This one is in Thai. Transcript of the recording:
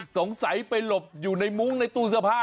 สงสัยไปหลบอยู่ในมุ้งในตู้เสื้อผ้า